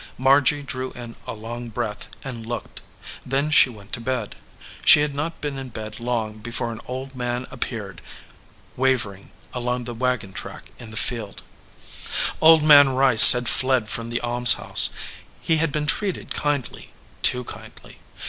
Margy drew in a long breath and looked. Then she went to bed. She had not been 45 EDGEWATER PEOPLE in bed long before an old man appeared, wavering along the wagon track in the field. Old Man Rice had fled from the almshouse. He had been treated kindly, too kindly.